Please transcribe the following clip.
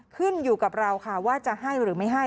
ขึ้นอยู่กับเราค่ะว่าจะให้หรือไม่ให้